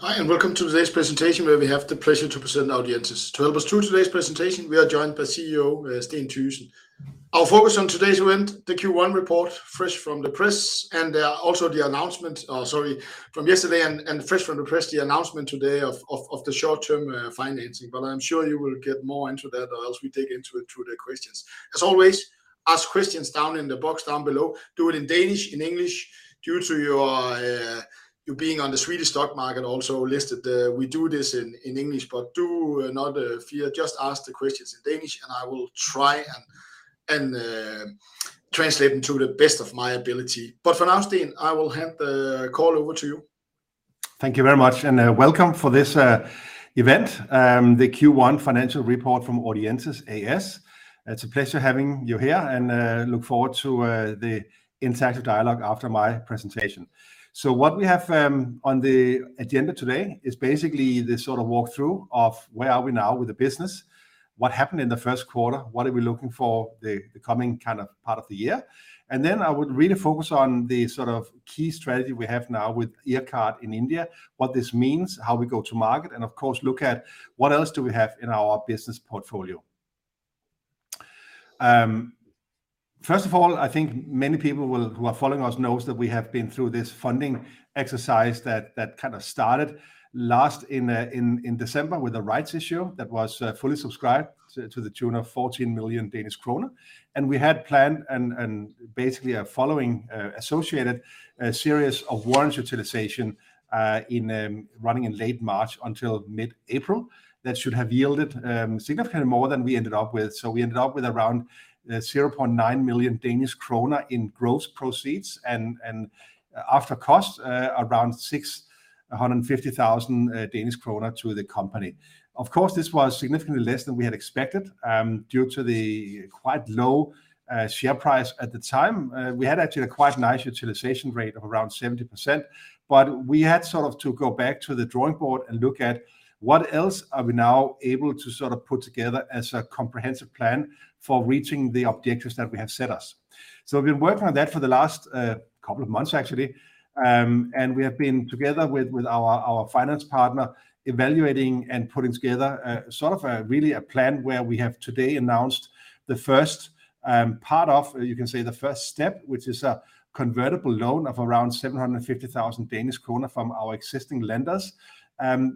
Hi, welcome to today's presentation, where we have the pleasure to present Audientes. To help us through today's presentation, we are joined by CEO, Steen Thygesen. Our focus on today's event, the Q1 report, fresh from the press, and also the announcement, sorry, from yesterday, and fresh from the press, the announcement today of the short-term financing. I'm sure you will get more into that as we dig into it through the questions. As always, ask questions down in the box down below. Do it in Danish, in English, due to your, you being on the Swedish stock market also listed, we do this in English. Do not fear, just ask the questions in Danish, and I will try and translate them to the best of my ability. For now, Steen, I will hand the call over to you. Thank you very much, and welcome for this event, the Q1 financial report from Audientes A/S. It's a pleasure having you here, and look forward to the interactive dialogue after my presentation. What we have on the agenda today is basically the sort of walkthrough of where are we now with the business? What happened in the first quarter? What are we looking for the coming kind of part of the year? I would really focus on the sort of key strategy we have now with earKART in India, what this means, how we go to market, and of course, look at what else do we have in our business portfolio. First of all, I think many people who are following us knows that we have been through this funding exercise that kind of started last in December with a rights issue that was fully subscribed to the tune of 14 million Danish kroner. We had planned and basically a following associated series of warrants utilization in running in late March until mid-April, that should have yielded significantly more than we ended up with. We ended up with around 0.9 million Danish krone in gross proceeds and after costs, around 650,000 Danish krone to the company. Of course, this was significantly less than we had expected due to the quite low share price at the time. We had actually a quite nice utilization rate of around 70%, but we had sort of to go back to the drawing board and look at what else are we now able to sort of put together as a comprehensive plan for reaching the objectives that we have set us. We've been working on that for the last couple of months, actually, and we have been, together with our finance partner, evaluating and putting together, sort of a really a plan where we have today announced the first part of, you can say the first step, which is a convertible loan of around 750,000 Danish kroner from our existing lenders,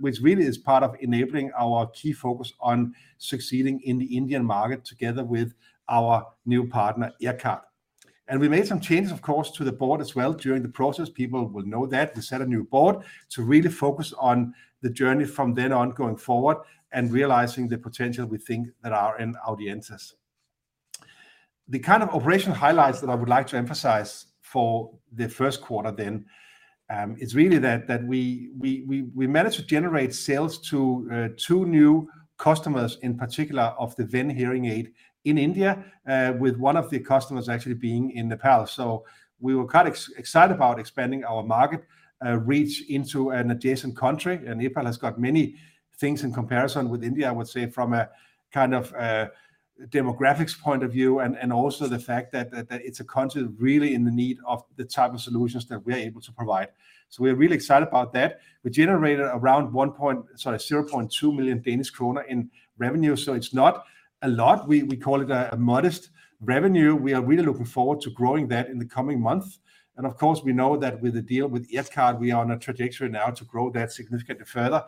which really is part of enabling our key focus on succeeding in the Indian market together with our new partner, earKART. We made some changes, of course, to the board as well during the process. People will know that. We set a new board to really focus on the journey from then on going forward and realizing the potential we think that are in Audientes. The kind of operational highlights that I would like to emphasize for the first quarter then, is really that we managed to generate sales to two new customers, in particular of the Ven hearing aid in India, with one of the customers actually being in Nepal. We were quite excited about expanding our market reach into an adjacent country. Nepal has got many things in comparison with India, I would say, from a kind of demographics point of view, and also the fact that it's a country really in the need of the type of solutions that we are able to provide. We are really excited about that. We generated around 0.2 million Danish kroner in revenue, so it's not a lot. We call it a modest revenue. We are really looking forward to growing that in the coming months. Of course, we know that with the deal with earKART, we are on a trajectory now to grow that significantly further.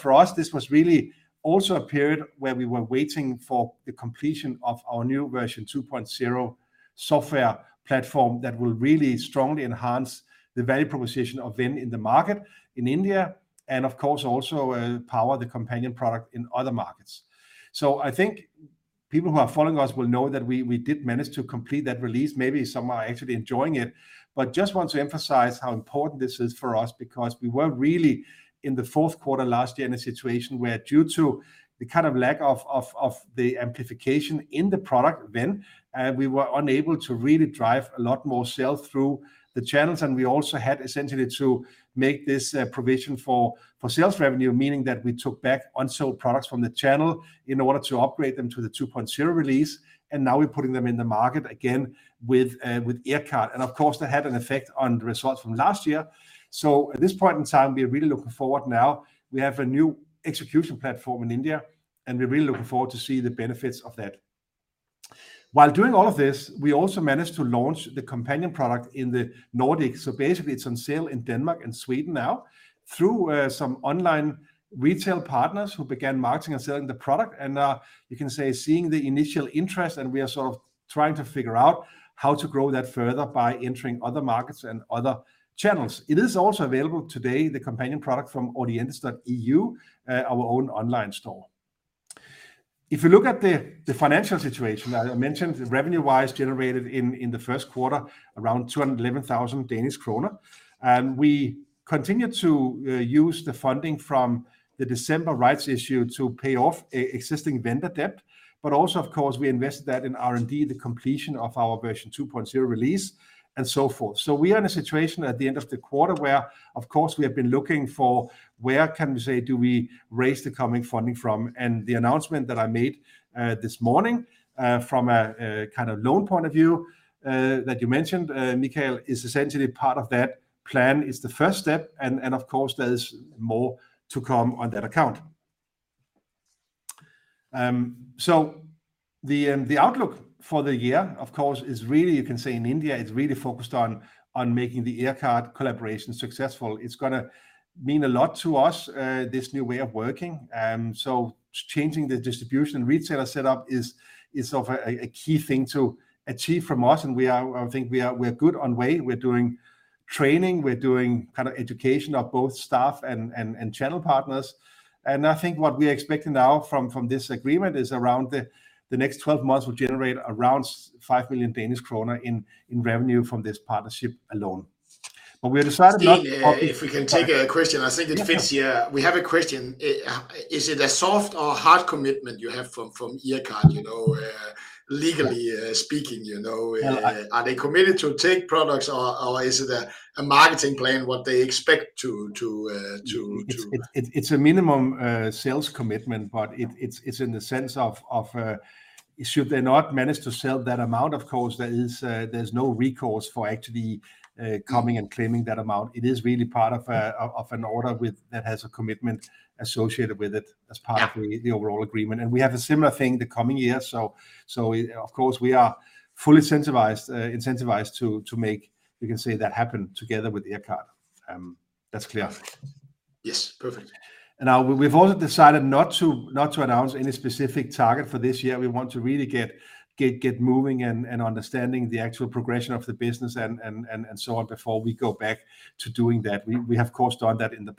For us, this was really also a period where we were waiting for the completion of our new version 2.0 software platform that will really strongly enhance the value proposition of Ven in the market in India, and of course, also, power the Companion product in other markets. I think people who are following us will know that we did manage to complete that release. Maybe some are actually enjoying it, but just want to emphasize how important this is for us, because we were really in the fourth quarter last year, in a situation where, due to the kind of lack of the amplification in the product Ven, we were unable to really drive a lot more sales through the channels, and we also had essentially to make this provision for sales revenue, meaning that we took back unsold products from the channel in order to upgrade them to the 2.0 release. Now we're putting them in the market again with earKART. Of course, that had an effect on the results from last year. At this point in time, we are really looking forward now. We have a new execution platform in India, and we're really looking forward to see the benefits of that. While doing all of this, we also managed to launch the Companion product in the Nordics. Basically it's on sale in Denmark and Sweden now through some online retail partners who began marketing and selling the product, and you can say seeing the initial interest, and we are sort of trying to figure out how to grow that further by entering other markets and other channels. It is also available today, the Companion product from Audientes.eu, our own online store. If you look at the financial situation, I mentioned revenue-wise, generated in the first quarter, around 211,000 Danish kroner, and we continued to use the funding from the December rights issue to pay off existing vendor debt. Also, of course, we invested that in R&D, the completion of our v2.0 release, and so forth. We are in a situation at the end of the quarter where, of course, we have been looking for where can we say, do we raise the coming funding from? The announcement that I made this morning from a kind of loan point of view that you mentioned, Michael, is essentially part of that plan, is the first step, and of course, there is more to come on that account. The outlook for the year, of course, is really, you can say in India, it's really focused on making the earKART collaboration successful. It's going to mean a lot to us, this new way of working. Changing the distribution and retailer setup is of a key thing to achieve from us, and we're good on way. We're doing training, we're doing kind of education of both staff and channel partners. I think what we're expecting now from this agreement is around the next 12 months will generate around 5 million Danish kroner in revenue from this partnership alone. We have decided not to- Steen, if we can take a question. Yeah. I think it fits here. We have a question. Is it a soft or hard commitment you have from earKART, you know, legally speaking, you know? Yeah. Are they committed to take products, or is it a marketing plan, what they expect to? It's a minimum sales commitment, but it's in the sense of should they not manage to sell that amount, of course, there's no recourse for actually coming and claiming that amount. It is really part of an order that has a commitment associated with it the overall agreement. We have a similar thing the coming year, so of course, we are fully incentivized to make, you can say, that happen together with earKART. That's clear. Yes, perfect. Now we've also decided not to announce any specific target for this year. We want to really get moving and understanding the actual progression of the business and so on, before we go back to doing that. We have, of course, done that in the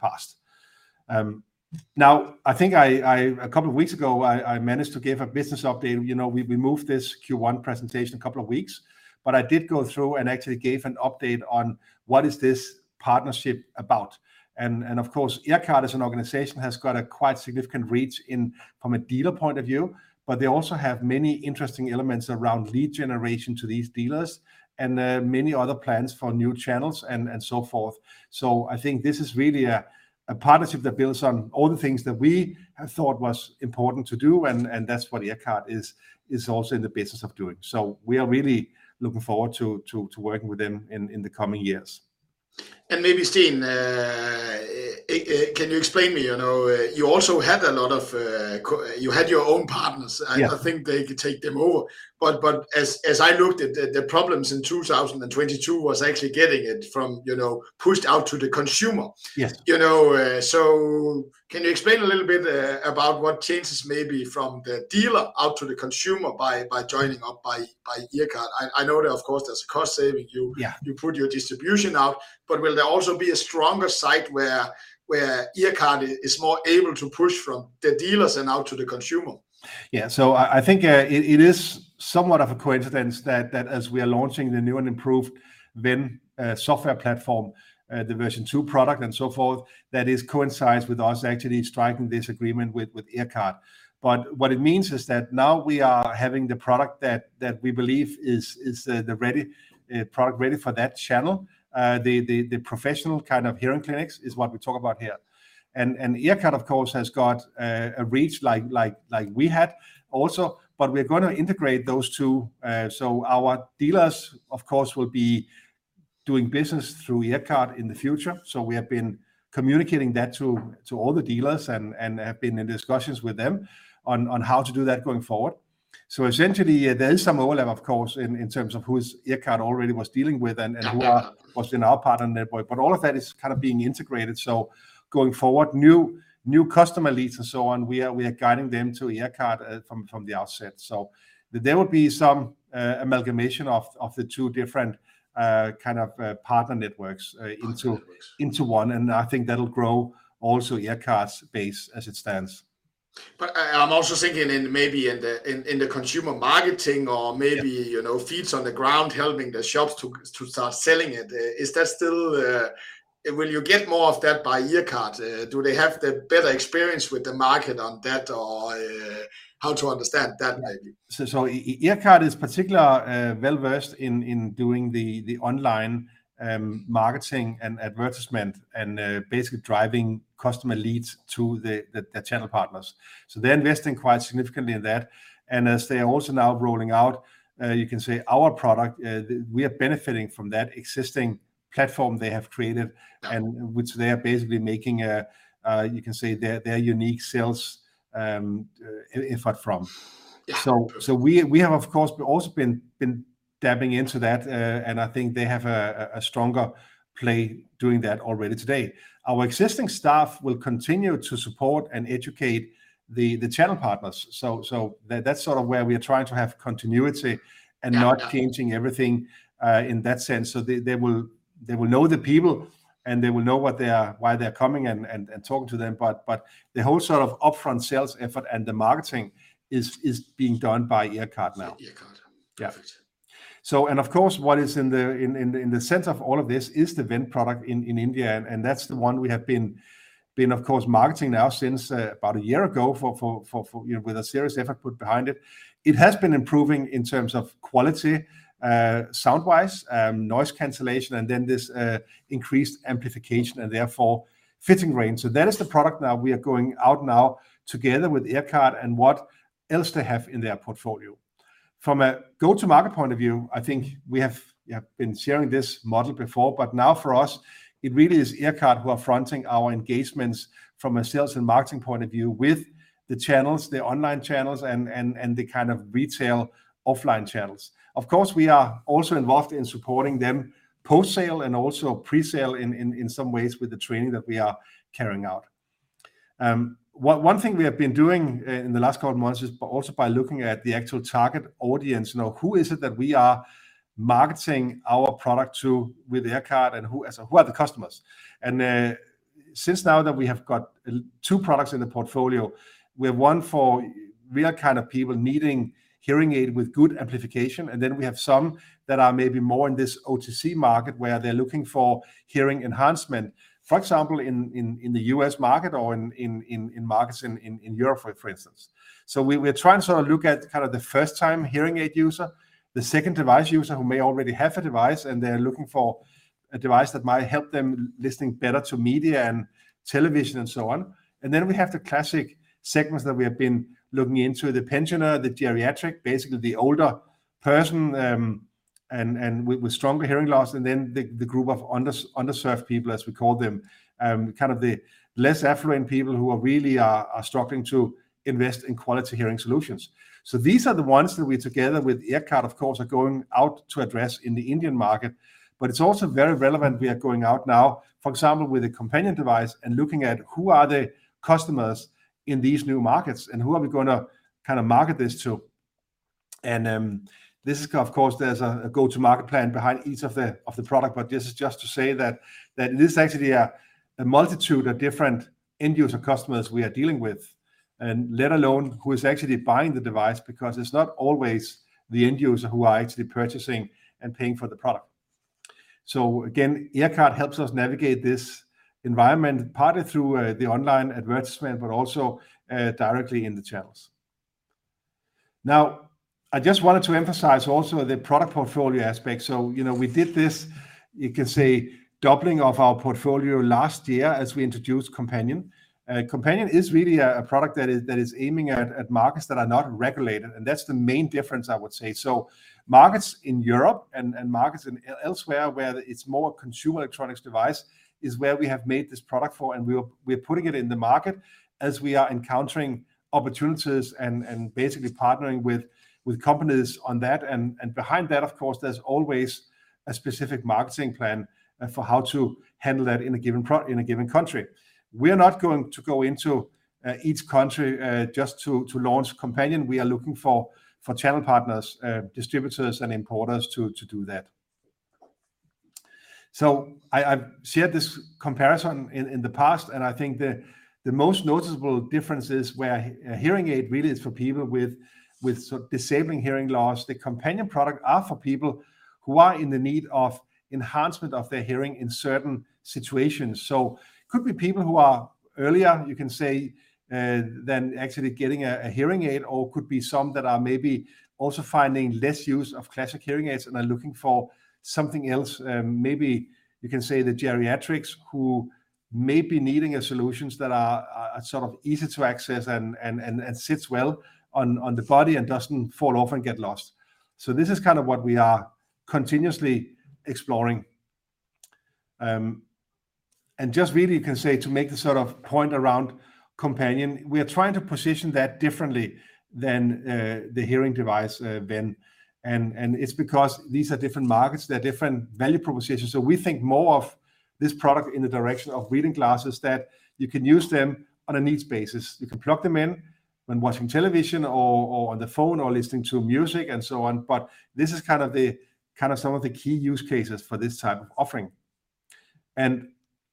past. Now, I think a couple of weeks ago, I managed to give a business update. You know, we moved this Q1 presentation a couple of weeks, I did go through and actually gave an update on what is this partnership about. Of course, earKART as an organization, has got a quite significant reach in from a dealer point of view, but they also have many interesting elements around lead generation to these dealers and many other plans for new channels and so forth. I think this is really a partnership that builds on all the things that we have thought was important to do, and that's what earKART is also in the business of doing. We are really looking forward to working with them in the coming years. Maybe, Steen, can you explain me, you know, you also had a lot of, you had your own partners- Yeah I think they could take them over. As I looked at the problems in 2022, was actually getting it from, you know, pushed out to the consumer. Yes. You know, can you explain a little bit, about what changes may be from the dealer out to the consumer by joining up by earKART? I know that, of course, there's a cost saving. Yeah. You put your distribution out, will there also be a stronger side where earKART is more able to push from the dealers and out to the consumer? Yeah. I think it is somewhat of a coincidence that as we are launching the new and improved Ven software platform, the version 2.0 product and so forth, that is coincides with us actually striking this agreement with earKART. What it means is that now we are having the product that we believe is the ready product ready for that channel. The professional kind of hearing clinics is what we talk about here. earKART, of course, has got a reach like we had also, but we're gonna integrate those two. Our dealers, of course, will be doing business through earKART in the future. We have been communicating that to all the dealers and have been in discussions with them on how to do that going forward. Essentially, there is some overlap, of course, in terms of who is earKART already was dealing with and who was in our partner network. All of that is kind of being integrated. Going forward, new customer leads and so on, we are guiding them to earKART from the outset. There will be some amalgamation of the two different kind of partner networks into one, and I think that'll grow also earKART's base as it stands. I'm also thinking in maybe in the consumer marketing, you know, feet on the ground, helping the shops to start selling it. Is that still? Will you get more of that by earKART? Do they have the better experience with the market on that, or, how to understand that maybe? earKART is particularly well-versed in doing the online marketing and advertisement and basically driving customer leads to their channel partners. They're investing quite significantly in that. As they are also now rolling out, you can say our product, we are benefiting from that existing platform they have created and which they are basically making a, you can say their unique sales, effort from. Yeah. We have, of course, also been dabbling into that, and I think they have a stronger play doing that already today. Our existing staff will continue to support and educate the channel partners. That's sort of where we are trying to have continuity and not changing everything in that sense. They will know the people, and they will know what they are, why they're coming and talking to them. The whole sort of upfront sales effort and the marketing is being done by earKART now. earKART. Yeah. Perfect. Of course, what is in the sense of all of this is the Ven product in India, and that's the one we have been, of course, marketing now since about a year ago, for, you know, with a serious effort put behind it. It has been improving in terms of quality, sound wise, noise cancellation, and then this increased amplification and therefore fitting range. That is the product now we are going out now together with earKART and what else they have in their portfolio. From a go-to-market point of view, I think we have been sharing this model before, but now for us, it really is earKART who are fronting our engagements from a sales and marketing point of view with the channels, the online channels, and the kind of retail offline channels. Of course, we are also involved in supporting them post-sale and also pre-sale in some ways with the training that we are carrying out. One thing we have been doing in the last couple of months is also by looking at the actual target audience. You know, who is it that we are marketing our product to with earKART, and who are the customers? Since now that we have got two products in the portfolio, we have one for real kind of people needing hearing aid with good amplification, and then we have some that are maybe more in this OTC market, where they're looking for hearing enhancement. For example, in the U.S. market or in markets in Europe, for instance. We, we're trying to sort of look at kind of the first-time hearing aid user, the second device user who may already have a device, and they're looking for a device that might help them listening better to media and television and so on. We have the classic segments that we have been looking into, the pensioner, the geriatric, basically the older person, and with stronger hearing loss, and the group of underserved people, as we call them. Kind of the less affluent people who are really struggling to invest in quality hearing solutions. These are the ones that we, together with earKART, of course, are going out to address in the Indian market. It's also very relevant we are going out now, for example, with a Companion device and looking at who are the customers in these new markets, and who are we going to kind of market this to? This is, of course, there's a go-to-market plan behind each of the product, but this is just to say that this is actually a multitude of different end user customers we are dealing with, and let alone who is actually buying the device, because it's not always the end user who are actually purchasing and paying for the product. Again, earKART helps us navigate this environment, partly through the online advertisement, but also directly in the channels. I just wanted to emphasize also the product portfolio aspect. You know, we did this, you can say, doubling of our portfolio last year as we introduced Companion. Companion is really a product that is aiming at markets that are not regulated, and that's the main difference, I would say. Markets in Europe and markets elsewhere, where it's more a consumer electronics device, is where we have made this product for, and we are, we're putting it in the market as we are encountering opportunities and basically partnering with companies on that. Behind that, of course, there's always a specific marketing plan for how to handle that in a given country. We are not going to go into each country just to launch Companion. We are looking for channel partners, distributors, and importers to do that. I've shared this comparison in the past, and I think the most noticeable difference is where a hearing aid really is for people with sort of disabling hearing loss. The Companion product are for people who are in the need of enhancement of their hearing in certain situations. Could be people who are earlier, you can say, than actually getting a hearing aid, or could be some that are maybe also finding less use of classic hearing aids and are looking for something else. Maybe you can say the geriatrics, who may be needing a solutions that are sort of easy to access and sits well on the body and doesn't fall off and get lost. This is kind of what we are continuously exploring. Just really, you can say, to make the sort of point around Companion, we are trying to position that differently than, the hearing device, Ven. It's because these are different markets, they're different value propositions. We think more of this product in the direction of reading glasses, that you can use them on a needs basis. You can plug them in when watching television or on the phone or listening to music and so on, but this is kind of some of the key use cases for this type of offering.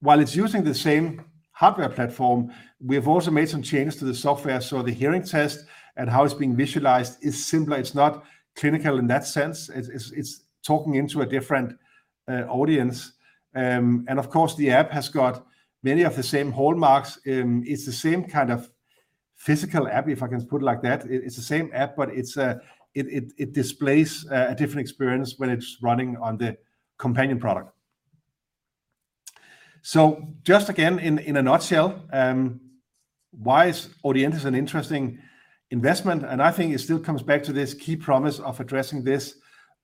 While it's using the same hardware platform, we have also made some changes to the software, so the hearing test and how it's being visualized is simpler. It's not clinical in that sense. It's talking into a different audience. And of course, the app has got many of the same hallmarks. It's the same kind of physical app, if I can put it like that. It's the same app, but it's, it displays, a different experience when it's running on the Companion product. Just again, in a nutshell, why is Audientes an interesting investment? I think it still comes back to this key promise of addressing this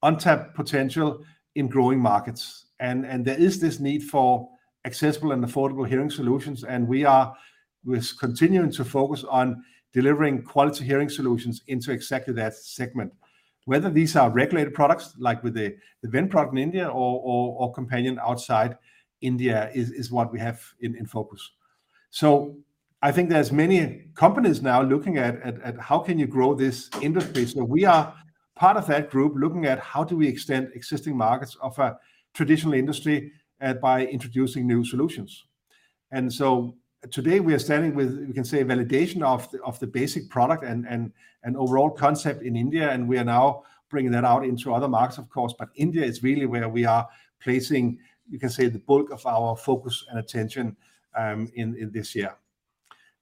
untapped potential in growing markets. There is this need for accessible and affordable hearing solutions, and we are with continuing to focus on delivering quality hearing solutions into exactly that segment. Whether these are regulated products, like with the Ven product in India or Companion outside India, is what we have in focus. I think there's many companies now looking at how can you grow this industry? We are part of that group, looking at how do we extend existing markets of a traditional industry by introducing new solutions. Today we are standing with, you can say, validation of the basic product and overall concept in India, and we are now bringing that out into other markets, of course, but India is really where we are placing, you can say, the bulk of our focus and attention in this year.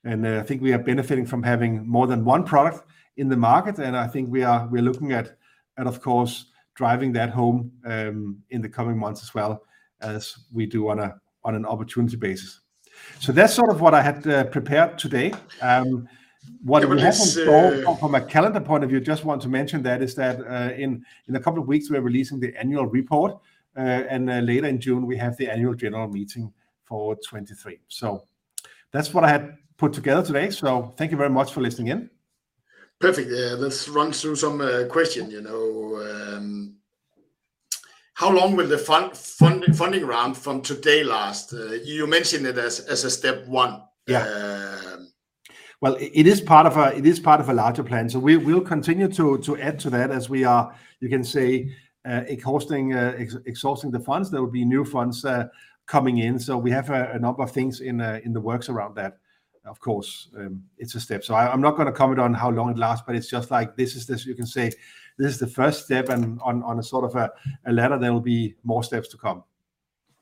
I think we are benefiting from having more than one product in the market, and I think we are looking at, of course, driving that home in the coming months as well as we do on an opportunity basis. That's sort of what I had prepared today. What will happen from a calendar point of view, I just want to mention that is that, in a couple of weeks, we are releasing the annual report, and later in June, we have the annual general meeting for 2023. That's what I had put together today. Thank you very much for listening in. Perfect. Yeah, let's run through some question, you know. How long will the funding round from today last? You mentioned it as a step one. Yeah. Um- Well, it is part of a larger plan, we will continue to add to that as we are, you can say, exhausting the funds. There will be new funds coming in, we have a number of things in the works around that. Of course, it's a step, I'm not gonna comment on how long it lasts, but it's just like, this is the first step on a sort of a ladder, there will be more steps to come.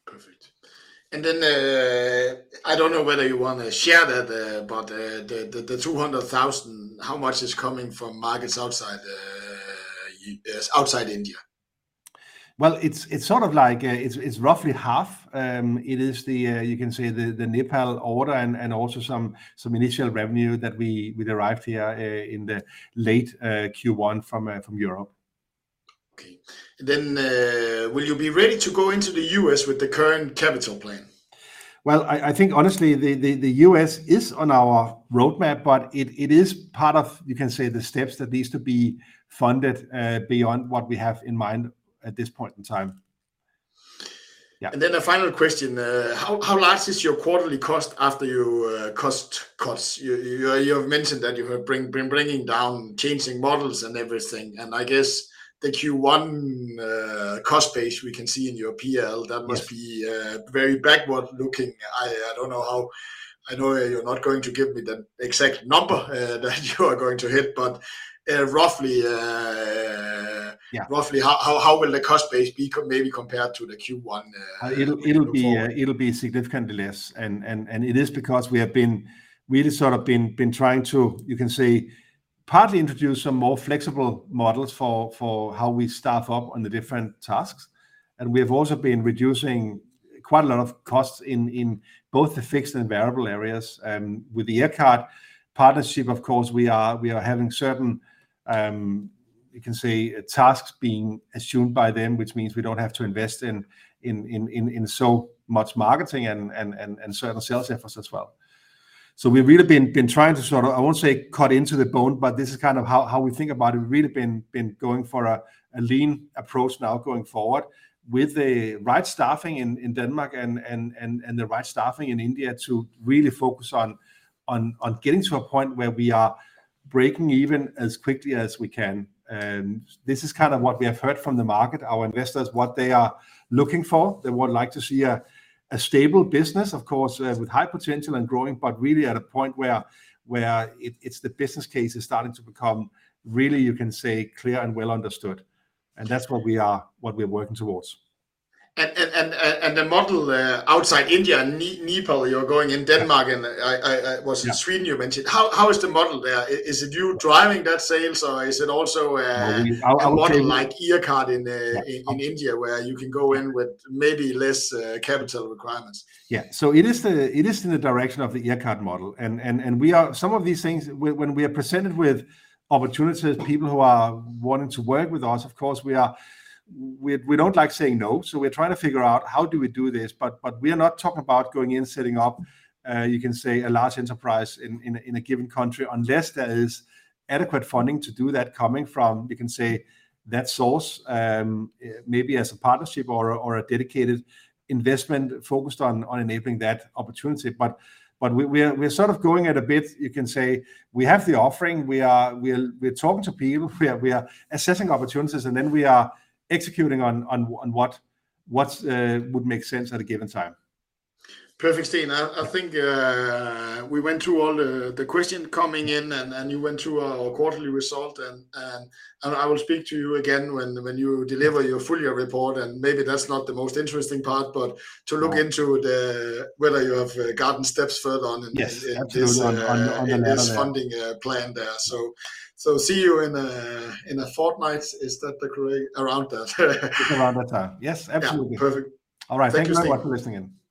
Perfect. I don't know whether you wanna share that, about the 200,000, how much is coming from markets outside India? It's sort of like, it's roughly half. It is the, you can say the Nepal order and also some initial revenue that we derived here in the late Q1 from Europe. Okay. Will you be ready to go into the U.S. with the current capital plan? Well, I think honestly, the U.S. is on our roadmap, it is part of, you can say, the steps that needs to be funded, beyond what we have in mind at this point in time. Yeah. The final question: How large is your quarterly cost after you cut costs? You have mentioned that you have been bringing down, changing models and everything, and I guess the Q1 cost base we can see in your P&L that must be, very backward-looking. I know you're not going to give me the exact number, that you are going to hit, but, roughly how will the cost base be maybe compared to the Q1. It'll be significantly less, and it is because we have been really sort of trying to, you can say, partly introduce some more flexible models for how we staff up on the different tasks. We have also been reducing quite a lot of costs in both the fixed and variable areas. With the earKART partnership, of course, we are having certain, you can say, tasks being assumed by them, which means we don't have to invest in so much marketing and certain sales efforts as well. We've really been trying to sort of, I won't say cut into the bone, but this is kind of how we think about it. We've really been going for a lean approach now going forward with the right staffing in Denmark and the right staffing in India to really focus on getting to a point where we are breaking even as quickly as we can. This is kind of what we have heard from the market, our investors, what they are looking for. They would like to see a stable business, of course, with high potential and growing, but really at a point where it's the business case is starting to become really, you can say, clear and well understood, and that's what we're working towards. The model, outside India and Nepal, you're going in Denmark, and in Sweden, you mentioned. How is the model there? Is it you driving that sales, or is it also? Like? A model like earKART in India, where you can go in with maybe less capital requirements? Yeah. It is the, it is in the direction of the earKART model. Some of these things, when we are presented with opportunities, people who are wanting to work with us, of course, we don't like saying no, we're trying to figure out, how do we do this? We are not talking about going in, setting up, you can say, a large enterprise in a given country, unless there is adequate funding to do that coming from, you can say, that source, maybe as a partnership or a dedicated investment focused on enabling that opportunity. We're sort of going at it a bit, you can say, we have the offering. We're talking to people. We are assessing opportunities, and then we are executing on what would make sense at a given time. Perfect, Steen. I think we went through all the question coming in, and you went through our quarterly result, and I will speak to you again when you deliver your full year report, and maybe that's not the most interesting part to look into the, whether you have gotten steps further on. Yes, absolutely. -on the funding plan there. See you in a fortnight. Is that the correct around that? Around that time. Yes, absolutely. Yeah. Perfect. All right. Thank you, Steen. Thank you very much for listening in. Thanks.